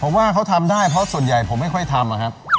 ผมว่าเขาทำได้เพราะส่วนใหญ่ผมไม่ค่อยทำอะครับ